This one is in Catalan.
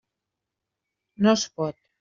No es pot.